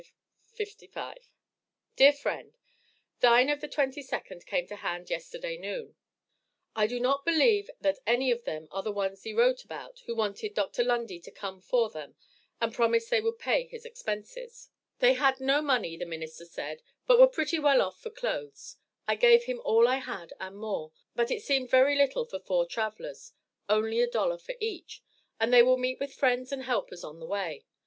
DEAR FRIEND: Thine of the 22d came to hand yesterday noon. I do not believe that any of them are the ones thee wrote about, who wanted Dr. Lundy to come for them, and promised they would pay his expenses. They had no money, the minister said, but were pretty well off for clothes. I gave him all I had and more, but it seemed very little for four travelers only a dollar for each but they will meet with friends and helpers on the way.